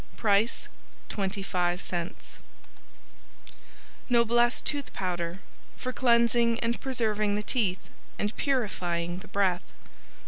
Price 25c Noblesse Tooth Powder For cleansing and preserving the teeth, and purifying the breath.